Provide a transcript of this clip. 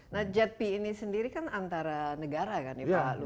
nah jepi ini sendiri kan antara negara kan ya pak